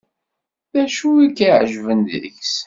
D acu i k-iεeǧben deg-s.